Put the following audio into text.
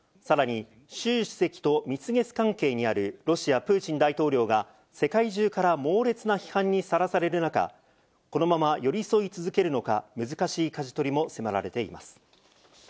さらに習主席と蜜月関係にあるロシア・プーチン大統領が、世界中から猛烈な批判にさらされる中、このまま寄り添い続けるのか、難しいかじ取りも迫られています。